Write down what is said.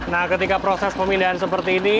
nah ketika proses pemindahan seperti ini